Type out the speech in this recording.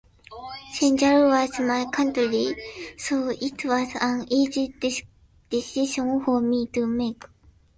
Senegal was my country, so it was an easy decision for me to make.